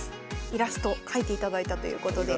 イラスト描いていただいたということで。